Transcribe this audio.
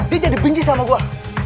dia jadi pinci sama gua